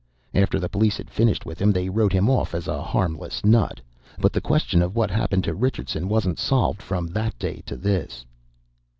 After the police had finished with him, they wrote him off as a harmless nut. But the question of what happened to Richardson wasn't solved from that day to this."